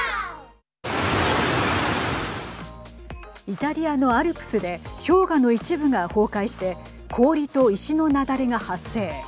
イタリアのアルプスで氷河の一部が崩壊して氷と石の雪崩が発生。